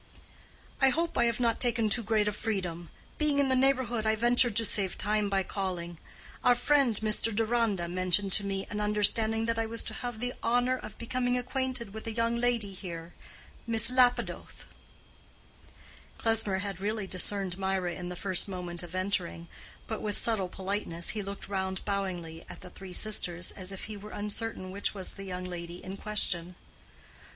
"I hope I have not taken too great a freedom. Being in the neighborhood, I ventured to save time by calling. Our friend, Mr. Deronda, mentioned to me an understanding that I was to have the honor of becoming acquainted with a young lady here—Miss Lapidoth." Klesmer had really discerned Mirah in the first moment of entering, but, with subtle politeness, he looked round bowingly at the three sisters as if he were uncertain which was the young lady in question.